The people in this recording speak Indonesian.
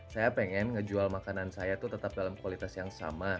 saya pengen ngejual makanan saya tuh tetap dalam kualitas yang sama